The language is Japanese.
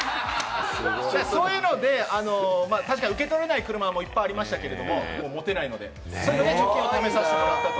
そういうので、受け取れない車もいっぱいありましたけど、それを貯金にさせてもらったと。